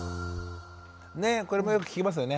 ねっこれもよく聞きますよね。